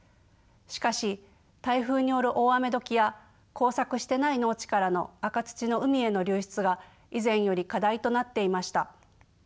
しかし台風による大雨時や耕作してない農地からの赤土の海への流出が以前より課題となっていました。